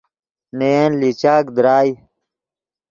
نے ین لیچاک درائے